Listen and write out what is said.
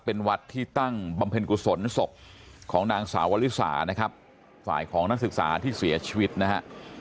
เป็นวัดที่ตั้งบำเพ็ญกุศลศพของนางสาววลิสานะครับฝ่ายของนักศึกษาที่เสียชีวิตนะฮะ